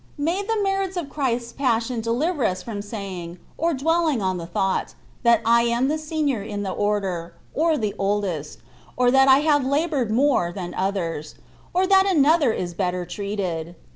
May the merits of Christ's passion deliver us from saying, or dwelling on the thought, that I am the senior in the order, or the oldest, or that I have laboured more (than others), or that another is better treated.